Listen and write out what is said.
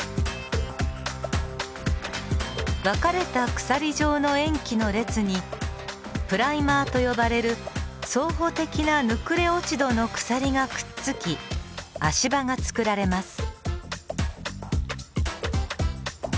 分かれた鎖状の塩基の列にプライマーと呼ばれる相補的なヌクレオチドの鎖がくっつき足場が作られます。